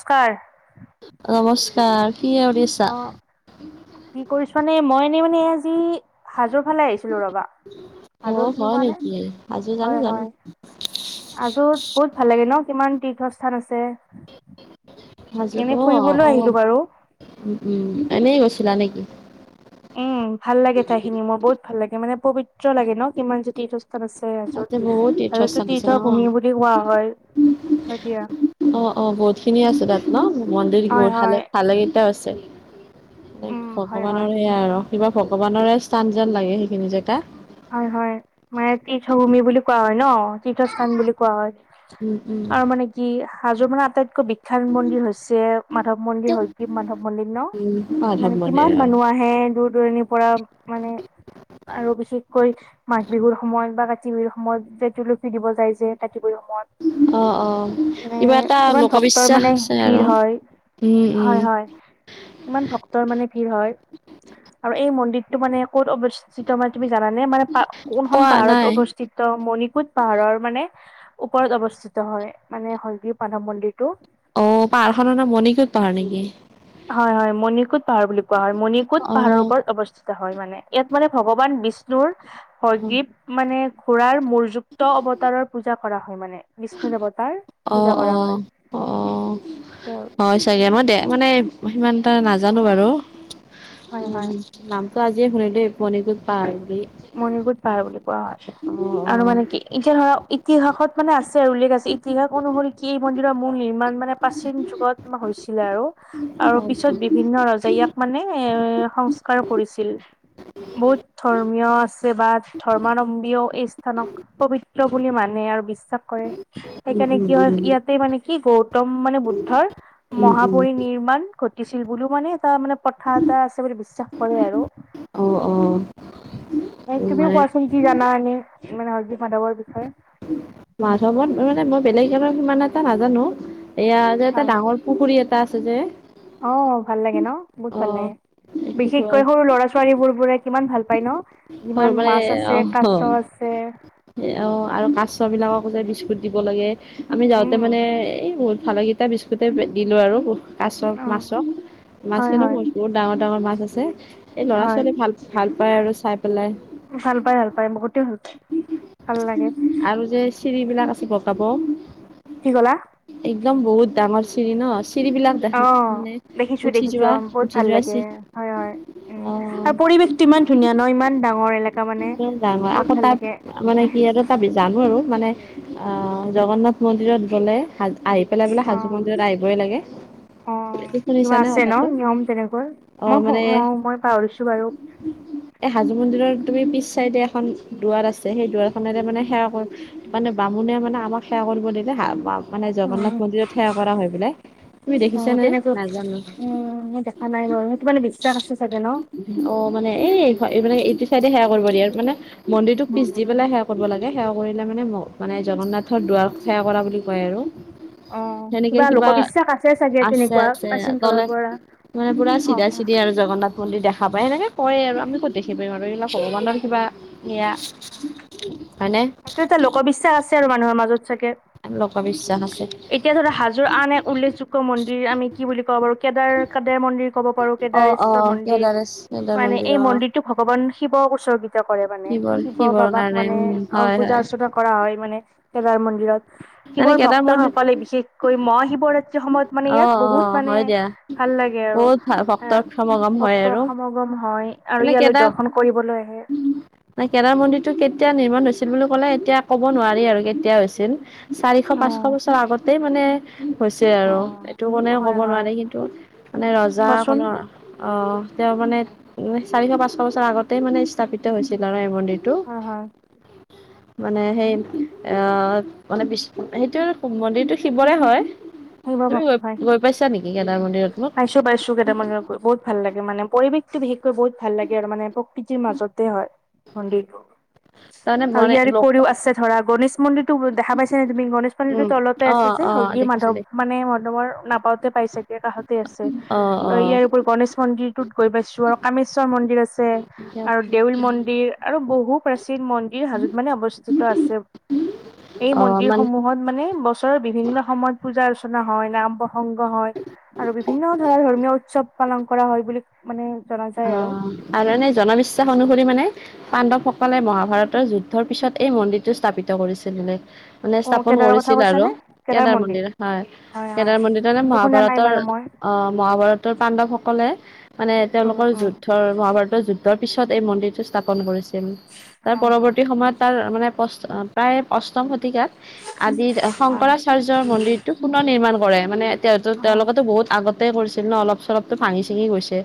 নমস্কাৰ নমস্কাৰ কি আৰু। অঁ কি কৰিছানে মই এনেই মানে আজি হাজো ফালে আহিছিলো ৰবা। আগৰ অ' চোন হয় কৰা নে নেকি? হাজো জানো হয় জানো হয়। হাজো বহুত ভাল লাগে ন, কিমান তীৰ্থস্থান আছে। হাজোত এনে অঁ ফুৰিবলৈ অঁ আহিলো বাৰু উম এনেই গৈছিলা নেকি? উম ভাল লাগে ঠাই খিনি মোৰ বহুত ভাল লাগে মানে পবিত্ৰ লাগে ন কিমান যে তীৰ্থস্থান আছে। ত তাতে বহুত তীৰ্থস্থান হাজোত আছে তীৰ্থ অ' ভূমি বুলি কোৱা হয়, হয় দিয়া। অঁ অঁ, বহুত খিনি আছে তাত ন মন্দিৰ হয় হয় ভালে ভালে কেইটাও আছে। উম লাইক হয় হয় ভগৱানৰে আৰু কিবা ভগৱানৰে স্থান যেন লাগে সেইখিনি জেগা। হয় হয়, মানে তীৰ্থভূমি বুলি কোৱা হয় ন। তীৰ্থস্থান বুলি কোৱা হয়, উম উম আৰু মানে কি হাজো মানে আটাইতকৈ বি শাল মন্দিৰ হৈছে, মাধৱ মন্দিৰ হয়গ্ৰিব মাধৱ মন্দিৰ ন উম মাধৱ মানে মন্দিৰ কিমান অ' মানুহ আ হে দূৰ দূৰণিৰ পৰা মানে আৰু বেছি গৈ মাঘ বিহুৰ সময়ত বা কাতি বিহুৰ সময়ত যে তুলসী দিব যায় যে কাতি বিহুৰ সময়ত। অঁ অঁ মানে কিবা এটা কিমান ভক্তৰ মানে লোকবিশ্বাসছে ভিৰ আৰু হয় উম উম। হয় হয় ইমান ভক্তৰ মানে ভিৰ হয়, আৰু এই মন্দিৰটো মানে ক'ত অৱস্থিত মানে তুমি জানানে মানে পা কোনখন কোৱা পাহাৰত নাই অৱস্থিত মণিকোট পাহাৰৰ মানে ওপৰত অৱস্থিত হয়, মানে হয়গ্ৰিব মাধৱ মন্দিৰটো। অ পাহাৰ খনৰ নাম মণিকোত পাহাৰ নেকি? হয় হয় মণিকোট পাহাৰ বুলি কোৱা হয়, মণিকোট পাহাৰৰ অ' ওপৰত অৱ স্থিত হয় মানে, ইয়াত মানে ভগৱান বিষ্ণুৰ অ হয়গ্ৰিব মানে খোৰাৰ মৰযুক্ত অৱতাৰৰ পূজা কৰা হয় মানে। বিষ্ণু দেৱতাৰ অ পূজা অ কৰা হয়, অ হয়। চাগে মই দে মানে সিমান এটা নাজানো বাৰু। হয় হয় নামতটো আজিয়ে শুনিলো দেই, মণিকোট পাহাৰ বুলি। মণিকোট পাহাৰ বুলি কোৱা হয়, অ অ আৰু মানে কি এতিয়া ধৰা ইতিহাসত মানে আছে আৰু উল্লেখ আছে, ইতিহাস অনুসৰি কি এই মন্দিৰৰ মূল নিৰ্মাণ মানে প্ৰাচীন যুগত হৈছিলে আৰু আৰু উম পিছত বিভিন্ন ৰজাই ইয়াক মানে এ সংস্কাৰ কৰিছিল বৌদ্ধ ধৰ্ম ৰ্মীয় আছে বা ধৰ্মাৱলম্বীও এই স্থানক পবিত্ৰ বুলি মানে আৰু বিশ্বাস কৰে সেইকাৰণে উম কি হয় ইয়াতে মানে কি গৌতম মানে বুদ্ধৰ উম উম উম মহাপৰি নিৰ্মাণ ঘটিছিল বুলিও মানে এটা মানে প্ৰথা এটা আছে বুলি বিশ্বাস কৰে আৰু অ অ ম তুমিও মানে কোৱাচোন কি জানা এনেই মানে হৰ্জি মাধৱৰ বিষয়ে মাধমত মানে মই বেলেগ এ ইমান এটা নাজানো এয়া এটা হয়। ডাঙৰ পুখুৰী এটা আছে যে অ ভাল লাগে ন বহুত অ ভাল লাগে কি বিশেষকৈ সৰু ল'ৰা ছোৱালী বোৰ বোৰে কিমান ভাল পাই ন ইমান মানে মাছ আছে অ কাচ আছে অ আৰু কাচ বিলাকক যে বিস্কুট দিব লাগে আমি যাওঁতে উম, মানে এ বহুত ভাল লাগে এটা বিস্কুটে দিলোঁ আৰু কাছৰ অ' মাছক হয় মাছখিনো ব হয় বহুত ডাঙৰ ডাঙৰ মাছ আছে এই ল'ৰা হয়। ছোৱালী ভাল ভাল পায় আৰু চাই পেলাই ভাল পাই ভাল পায় বহুতে ভাল পায় ভাল লাগে আৰু যে চিৰিবিলাক আছে বগাব কি ক'লা একদম বহুত ডাঙৰ চিৰি ন চিৰিবিলাক ত অ মানে দেখিছো উঠি দেখিছো অ যোৱা বহুত ভাল উঠি যোৱা লাগে চি হয় হয় উম অ আৰু পৰিবেশটো ইমান ধুনীয়া ন ইমান ডাঙৰ এলেকা মানে একদম ডাঙৰ বহুত আকৌ ভাল তাত লাগে মানে কি আৰু তথাপি জানো আৰু মানে জগন্নাথ মন্দিৰত গ'লে হাজ আহি পেলাই বোলে অ হাজো মন্দিৰত আহিবই লাগে অ কি কিবা শুনিছানে আছে ন কথাটো নিয়ম তেনেকৈ মই অ মই পাহৰিছো বাৰু এ হাজো মন্দিৰৰ তুমি পিছ চাইডে এখন দুৱাৰ আছে সেই দুৱাৰখনেৰে মানে অ সেৱা কৰি মানে বামুণে মানে আমাক সেৱা কৰিব দিলে [unintelligible] মানে জগন্নাথ মন্দিৰত সেৱা কৰা হয় বোলে তুমি অ দেখিছা নে তেনেকৈ নাজানো উম মই দেখা নাই নয় তমান [inaudible] বিশ্বাস আছে চাগে ন অ মানে এই মানে এইটো চাইডে সেৱা কৰিব দিয়ে আৰু মানে মন্দিৰটোক পিছ দি পেলাই সেৱা কৰিব লাগে সেৱা কৰিলে মানে মানে জগন্নাথৰ দুৱাৰ সেৱা কৰা বুলি কয় আৰু অ সেনেকে কিবা লোকবিশ্বাস আছে চাগে আছে তেনেকুৱা আছে প্ৰাচীন কালৰ দলে পৰা মানে পুৰা অ চিধা অ চিধি আৰু জগন্নাথ মন্দিৰ দেখা পায় সেনেকে কৰে আৰু আমি ক'ত দেখি পাৰিম আৰু এইবিলাক ভগৱানৰ কিবা লিলা সেইটো এটা লোকবিশ্বাস আছে আৰু মানুহৰ মাজত চাগে লোক বিশ্বাস আছে এতিয়া ধৰা হাজোৰ আন এক উল্লেখযোগ্য মন্দিৰ আমি কি বুলি ক'ও বাৰু কেদাৰ কাদেৰ মন্দিৰ ক'ব পাৰো অ', কেদাৰেশ্বৰ অ', মন্দিৰ কেদাৰেশ কেদাৰ মানে মন্দিৰ এই অ', মন্দিৰটো ভগৱান শিৱ [unintelligible] তেও কৰে মানে শিৱৰ শিৱ শিৱৰ বাবাক কাৰণে মানে উম, অ হয়, হয়, পূজা অৰ্চনা কৰা হয় মানে কেদাৰ মন্দিৰত মানে শিৱৰ কেদাৰ মন্দিৰ ভক্তসকলে বিশেষকৈ মহা শিৱৰাত্ৰি সেইটো সময়ত মানে ইয়াত অ', বহুত অ', মানে হয় দিয়া ভাল লাগে আৰু বহুত ভাল এ ভক্তৰ সমাগম হয় ভক্ত আৰু সমগ গম হয় আৰু এনে ইয়ালৈ দৰ্শন কৰিবলৈ আহে নাই কেদাৰ মন্দিৰটো কেতিয়া নিৰ্মাণ হৈছিল বুলি ক'লে এতিয়া ক'ব নোৱাৰি আৰু কেতিয়া হৈছিল চাৰিশ অ পাঁচশ বছৰ আগতেই মানে হৈছে অ আৰু এইটো কনেও হয় ক'ব হয় নোৱাৰে কিন্তু মানে ৰজাৰ কোৱাচোন সকলৰ অ তেওঁ মানে এ চাৰিশ পাঁচশ বছৰ আগতেই মানে স্থাপিত হৈছিল আৰু এই মন দিটো হয় হয় মানে সেই এ আ মানে বিছ সেইটো আৰু মন্দিৰটো শিৱৰে হয় শিৱ তুমি গৈ ভক্তই গৈ পাইছা নেকি কেদাৰ মন্দিৰত মোক তো কেদাৰ মন্দিৰত গৈ বহুত ভাল লাগে মানে পৰিৱেশটো বিশেষকৈ বহুত ভাল লাগে আৰু মানে পহ কৃতিৰ মাজতে হয় মন্দিৰটো তাৰমানে আৰু মানে ইয়াৰে লগ উপৰিও আছে ধৰা গণেশ মন্দিৰটো দেখা পাইছা নে তুমি গণেশ সেইটোৰ উম তলতে অ আছে যে অ হয়গ্ৰীৱ দেখিছো মাধৱ দেখিছো মানে মাধৱৰ নাপাওঁতে পাইছাগ গে কাষতে আছে অ আৰু ইয়াৰ অ উপৰি গনেশ মন্দিৰ টোত গৈ পাইছো আৰু কামেশ্বৰ মন্দিৰ আছে আৰু দেউল মন্দিৰ আৰু বহু প্ৰাচীন মন দিৰ হাজোত মানে অৱস্থিত আছে এই অ মন্দিৰ মানে সমূহত মানে বস তৰ বিভিন্ন সময়ত পূজা অৰ্চনা হয় নাম প্ৰসংগ হয় আৰু বিভিন্ন ধৰা ধৰ্মীয় উৎসৱ পালন কৰা হয় বুলি মানে জনা যায় আৰু অ' আৰু এনে জনবিশ্বাস অনুসৰি মানে পাণ্ডৱসকলে মহাভাৰতৰ যুদ্ধৰ পিছত এই মন্দিৰটো স্থাপিত কৰিছিল বোলে মানে অ' স্থাপন কেদাৰৰ কথা কৰিছিল আৰু কৈছানে? কেদাৰ মন্দিৰ হয় হয়, কেদাৰ মন্দিৰটো এনে সেইটো শুনা নাই মহাভাৰতৰ বাৰু মই। অ মহাভাৰতৰ পাণ্ডৱসকলে মানে উম তেওঁলোকৰ উম, যুদ্ধৰ মহাভাৰতৰ যুদ দ্ধৰ পিছত এই মন্দিৰটো স্থাপন কৰিছিল তাৰ হয় হয়, পৰৱৰ্তী সময়ত তাৰ তাৰ মানে পষ্ট অ প্ৰায় অষ্টম শতিকাত আদিৰ হয়। শংকৰাচাৰ্যৰ মন্দিৰটো পুনৰ নিৰ্মাণ কৰে মানে তেওঁতো অ' তেওঁলোকেতো বহুত আগত তে কৰিছিল ন অলপ চলপতো ভাঙি চিঙি গৈছে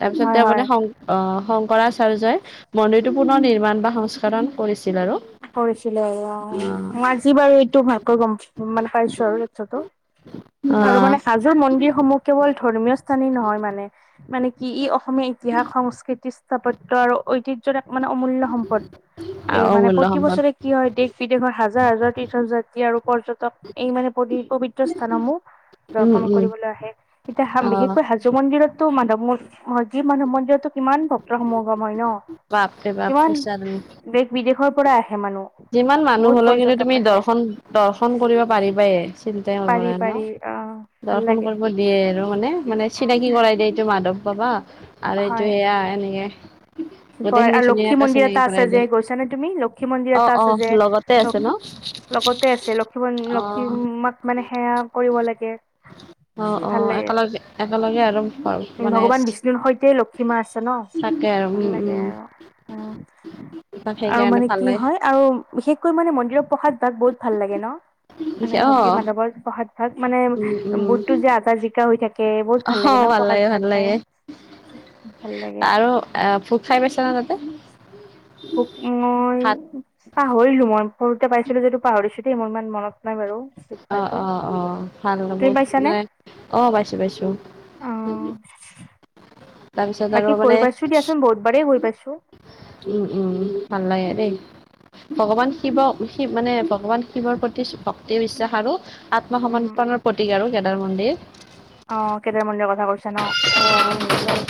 তাৰ পিছত হয় তেওঁ হয়, মানে শং অহ শংকৰাচাৰ্যই মন্দিৰটো পুনৰ নিৰ্মাণ বা সংস্কাৰণ কৰিছিল আৰু কৰিছিলে আৰু অ আজি বাৰু এইটো ভালকৈ গম মানে পাইছো আৰু সেইটো টো আৰু মানে হাজ জোৰ মন্দিৰসমূহ কেৱল ধৰ্মীয় স্থানেই নহয় মানে মানে কি ই অসমীয়া ইতিহাস সংস্কৃতি স্থাপত্য আৰু ঐতি যত এক মানে অমূল্য সম্পদ এই অ মানে অমূল্য প্ৰতি সম্পদ বছৰে কি হয় দেশ বিদেশৰ হাজাৰ হাজাৰ তীৰ্থ যাত্ৰী আৰু পৰ্যটক এই মানে পবি পবিত্ৰ স্থানসমূহ উম দৰ্শন উম কৰিবলৈ আহে এতিয়া হাম অ বিশেষকৈ হাজ জো মন্দিৰতো মাধৱ ম মধ যি মন্দিৰতটো কিমান ভক ক্তৰ সমগম হয় ন বাপৰে বাপ কিমান সঁচা তুমি দেশ বিদেশৰ পৰা আহে মানুহ যিমান মানুহ বহুত হলেও কিন্তু পৰ্যটক তুমি আহে। দৰ্শন দৰ্শন কৰিব পাৰিবাই চিন্তাই কৰিব পাৰি নাই ন পাৰি আহ ভাল দৰ্শন লাগে কৰিব দিয়ে আৰু মানে উম মানে উম চিনাকি কৰাই দিয়ে এইটো মাধৱ পাবা আৰু এইটো হয়। সেয়া এনেকে কি কৰে গোটেইখিনি আৰু লক্ষী ধুনীয়াকে মন্দিৰ চিনাকি এটা কৰাই আছে যে দিয়ে গৈছা নে তুমি লক্ষী মন্দিৰ অ এটা অ আছে যে লগতে আছে ন লগতে আছে লক্ষি মন অ লক্ষিমাক মানে সেৱা কৰিব লাগে অ অ একেলগে একেলগে আৰু উ ভগৱান মানে বিষ্ণুৰ সৈতে লক্ষী মা আছে ন তাকে আৰু ভাল উম লাগে উম আৰু উ তাক আৰু সেইকাৰণে মানে ভাল কি লাগে হয় আউ বিশেষকৈ মানে মন্দিৰৰ প্ৰসাদ ভাগ বহুত ভাল লাগে ন মানে পিছে অ হগী মাধৱৰ প্ৰসাদ ভাক মানে উম উম বুটতো যে আজা জিকা হৈ থাকে বহুত ভাল লাগে ন প্ৰসাদ ভাগ খাই লাগে ভাল লাগে আৰু এ ভোক খাই পাইছা নে তাতে ভুক মই ভাত পাহৰিলো মই, সৰুতে পাইছিলো যদিও পাহৰিছো দেই মোৰ ইমান মনত নাই বাৰু। অ শিক্ষাটো অ অ, ভাল তুমি [unintelligible] পাইছানে অ পাইছো পাইছো। অ তাৰপিছত আৰু বাকী গৈ মানে পাইছো দিয়াচোন বহুতবাৰেই গৈ পাইছো। উম উম উ ভাল লাগে দেই। ভগৱান শিৱ কিৱ মানে ভগৱান শিৱৰ প্ৰতি ভক্তি বিশ্বাস আৰু। আত্মসমৰ্পণৰ প্ৰতীক আৰু কেদাৰ মন্দিৰ। আহ কেদাৰ মলিৰ কথা কৈছে ন অ উম।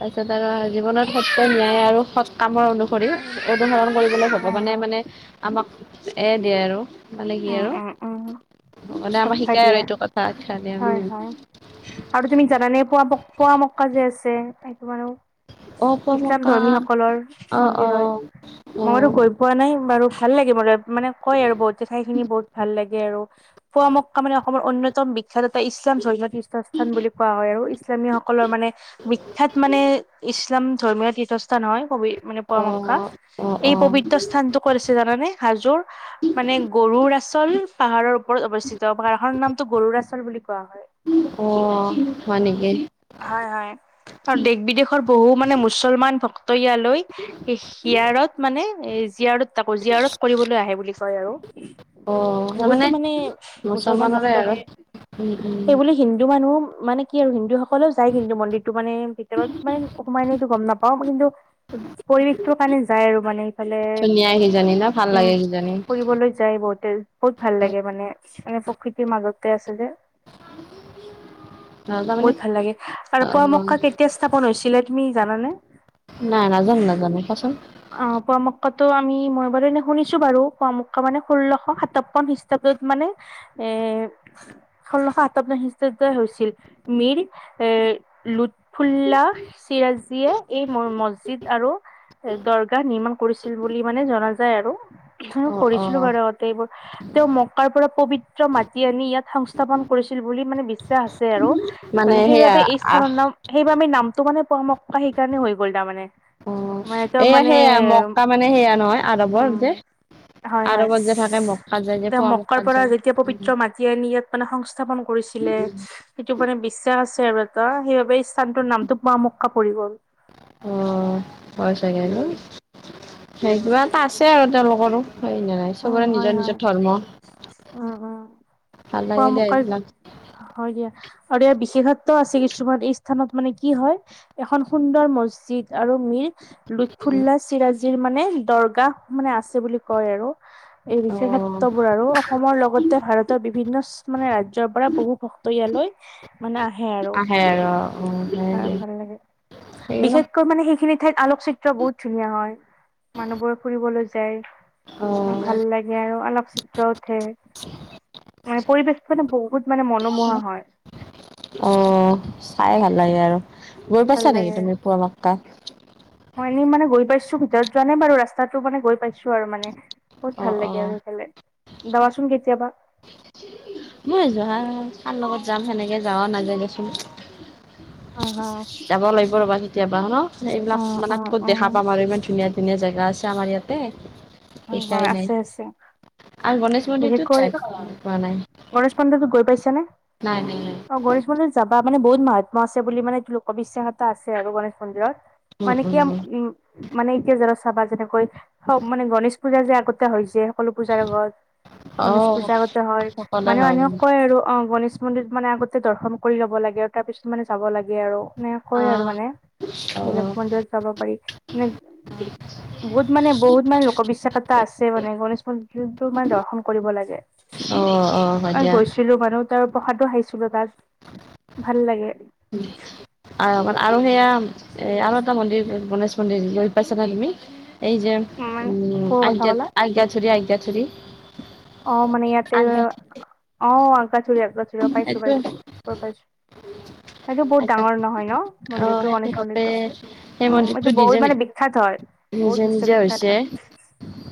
তাৰপিছত আৰু জীৱনত সত ন্যায় আৰু সৎ কামৰ অনুসৰি অনুসৰণ কৰিবলৈ হ'ব হয় মানে হয় মানে। আমাক এয় দিয়ে আৰু। পালেগি উম উম উম আৰু মানে আমাক উৎসাহ শিকাই দিয়ে আৰু এইটো কথা আখ্যা দিয়ে হয় উম। হয় আৰু তুমি জানানে পোৱা পোৱামক্কা যে আছে সেইটো মানো। ইছলাম অপমকা ধৰ্মী সকলৰ অ অ মন্দিৰ হয় অ মইতো গৈ। পোৱা নাই বাৰু ভাল লাগে ম মানে কয় আৰু বহুত ঠাই খিনি বহুত ভাল লাগে আৰ পোৱামক্কা মানে অসমৰ অন্যতম। তাত এটা ইছলাম জৰ্ণ তীৰ্থস্থান বুলি কোৱা হয় আৰু ইছলামীয়সকলৰ মানে। বিখ্যাত মানে। ধৰ্মীয় তীৰ্থস্থান হয় মানে অ পোৱামক্কা অ অ এই প্ৰবিত্ৰ। স্থানতটো কৰিছে জানানে? হাজোৰ মানে গৰুৰ আচল পাহাৰৰ। ওপৰত অৱস্থিত। পাহাৰখনৰনামটো গৰুৰাচল বুলি কোৱা হয়। অ হয় নেকি? হয় হয় আৰু দেশ বিদেশৰ বহু মানে মুছলমান। তৈয় লৈ শিয়াৰত মানে এ জীয়াৰত তাকো জীয়ত কৰিবলৈ আহে বুলি। বিষয় আৰু। অ ভগোলটো তাৰমানে মানে মুছলমান মুছলমানৰে আৰু ভক্তহে উম উম সেইবুলি। হিন্দু মানুহো মানে কি আৰু হিন্দু সকলেও যায় কিন্তু মন্দিৰতটো মানে। [unintelligible] সোমাই [unintelligible] গম নাপাওঁ কিন্তু। পৰিৱেশটো কাৰণে যায় আৰু মানে ইফালে। ধুনীয়া কিজানি ন ভাল উম, লাগে কিজানি ফুৰিবলৈ যায় বহুতে। বহুত ভাল লাগে মানে এ প্ৰকৃতিৰ মাজতে আছিলে। [inaudible] বহুত ভাল লাগে অ আৰু পোৱামক্কা কেতিয়া স্থাপন হৈছিলে তুমি জানানে? নাই, নাজানো নাজানো কোৱাচোন? অ পোৱামক্কাটো আমি মই বাৰু শুনিছো বাৰু পোৱামক্কা মানে ষোল্লশ সাতাপন্ন খষ্ট। [unintelligible] মানে এ। ষোল্লশ সাতাৱন্ন খ্ৰীষ্টাব্দ হৈছিল মীৰ এৰ লু। ফুল্লা চিৰাজীয়ে এই মছজিদ আৰু। দৰগাহ নিৰ্মাণ কৰিছিল বুলি মানে জনা যায় আৰু অ কৰ অ ছিলো বাৰু। এইবোৰ তেওঁ মকাৰ পৰা পবিত্ৰ মাটি আনি ইয়াত। সংস্থাপন কৰিছিল বুলি মানে বিশ্বাস আছে আৰু মানে সেয়া সেইবাবে এই আহ স্থানৰ নাম। সেইবাবে নামটো মানে পোৱামক্কা সেইকাৰণে হৈ গ'ল তাৰ মানে। অ তেওঁ এইয়া সেয়া মানে মক্কা মানে সেয়া নহয় উম, আদৱৰ যে। হয় হয়, আৰৱত যে থাকে মক্কাত যায় যে তেওঁ পোৱা মক্কাৰ মক্কাত পৰা যায়। যেতিয়া পৱিত্ৰ মাজ। [unintelligible] ইয়াত মানে সংস্থাপন কৰিছিলে। সেইটো মানে বিশ্বাস আছে আৰু এটা সেইবাবে এই স্থানটোৰ নামটো পোৱামক্কা পৰি গ'ল। অ, হয় চাগে ন? সেই, কিবা এটা আছে আৰু তেওঁলোকৰো হয় নে নাই উম, চবৰে হয় নিজৰ হয়, নিজৰ ধৰ্ম, উম উম। ভাল লাগিলে পোৱামক্কাৰ এইবিলাক হয় দিয়া, আৰু ইয়াৰ বিশেষত্ব আছে কিছুমান এই স্থানত মানে কি হয় এখন সুন্দৰ মছজিদ আৰু মিৰ লুৎফুল্লা চিৰাজিৰ মানে দৰগাহ মানে আছে বুলি কয় আৰু এই বিশে অ', ক্ষেত্ৰবোৰ আৰু অসমৰ লগতে ভাৰতৰ বিভিন্ন স্থ মানে ৰাজ্যয়ৰ পৰা বহু ভক্ত ইয়ালৈ মানে আহে আৰু, আহে আৰু অ', হয় আৰু দিয়া ভাল লাগে। সেই ন বিশেষ মানে সেইখিনি ঠাইত আলোকচিত্ৰ বহুত ধুনীয়া হয়, মানুহবোৰে ফুৰিবলৈ যায়। অ', ভাল লাগে আৰু অলপ [unintelligible] ঢাপৰি বেছি মানে, বহুত মানে মনোমোহা হয়। অহ চাই ভাল লাগে আৰু, গৈ ভাল পাইছা নেকি লাগে তুমি পৰ মৎকা মই এনেই মানে গৈ পাইছো, ভিতৰত যোৱা নাই বাৰু ৰাস্তাটো মানে গৈ পাইছো আৰু মানে বহুত অ', ভাল লাগে অ', আৰু সেফালে, যাবা চোন‌‌ কেতিয়াবা মই যোৱা, কাৰ লগত যাম সেনেকৈ যাৱ নাজাই দেচোন হয় যাব লাগিব ৰবা কেতিয়াবা, নহ এইবিলাক মানে ক'ত দেখা পাম আৰু ইমান ধুনীয়া ধুনীয়া জেগা আছে, আমাৰ ইয়াতে হয় শিকাই নাই, আছে আছে আৰু গণেশ মন্দিৰটো বিশেষকৈ যাই পোৱা নাই। গণেশ মন্দিৰটো গৈ পাইছা নে? নাই নাই নাই অ গণেশ মন্দিৰত যাবা, মানে বহুত মহাত্মা আছে বুলি মানে এইটো লোকবিশ্বাস এটা আছে আৰু গণেশ মন্দিৰত মানে কি হম, উম মানে এতিয়া যালে চাবা যেনেকৈ চব মানে গণেশ পূজা যে আগতে হৈছে, সকলো পূজাৰ আগত অ গণেশ পূজা গতে হয়, সকলোৱে মানে হয় মানুহক কয় আৰু অহ গণেশ মন্দিৰত মানে আগতে দৰ্শন কৰি ল'ব লাগে আৰু তাৰ পিছত মানে যাব লাগে আৰু মানে অ কৰে আৰু মানে, অ বেলেগ মন্দিৰত যাব পাৰি মানে বহুত মানে, বহু মানে কবিশ্বাস‌ এটা আছে মানে, গণেশ মন্দিৰটো মানে দৰ্শন কৰিব লাগে। অহ, হব দিয়া ছিলো মানুহ তাৰ প্ৰসাদো খাইছিলোঁ তাত, ভাল লাগে। [unintelligible] আৰু মানে আৰু সেয়া এহ আৰু এটা মন্দিৰ গণেশ মন্দিৰলৈ গৈ পাইছা নে তুমি এই যে ইমান উম, কৰ কথা ক'লা আইগ্যথুৰি, আইগ্যথুৰি অ মানে ইয়াতে, অ আইগ্যথুৰি আইগ্যথুৰি অহ পাইছোঁ এইটো পাইছোঁ, গৈ পাইছোঁ। সেইটো বহুত ডাঙৰ নহয় নহ অ মন্দিৰটো, সেইটো গণেশ বাপৰে মন্দিৰটো, সেই উম মন্দিৰটো এইটো নিজে বহুত মানে বিখ্যাত হয়। নিজে বহুত নিজে বিশ্ববিখ্যাত হৈছে হয়,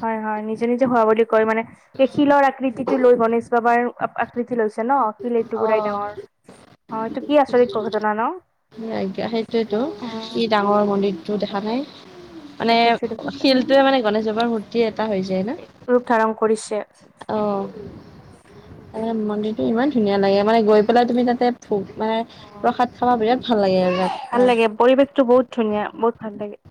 হয় হয় নিজে নিজে হোৱা বুলি কৈ মানে এই শিলৰ আকৃতিটো লৈ গণেশ বাবাৰ আকৃতি লৈছে নহ, শিল এইটুকুৰাই অ ডাঙৰ অ এইটো কি আচৰিত কহ ঘটনা আজ্ঞা সেইটোৱেতো নহ, কি উম। ডাঙৰ মন্দিৰটো দেখা নাই মানে দেখিছো দেখিছো শিলটোৱে মানে গণেশ বাবাৰ মূৰ্তি এটা হৈ যায় নহ ৰূপ ধাৰণ কৰিছে। অহ এনে মন্দিৰটো ইমান ধুনীয়া লাগে, মানে গৈ পেলাই তুমি তাতে মানে অ প্ৰসাদ খাব বিৰাট ভাল লাগে আৰু ৰাতি ভাল তাৰ লাগে পৰিৱেশটো বহুত ধুনীয়া বহুত ভাল লাগে।